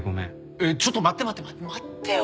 えっちょっと待って待って待ってよ。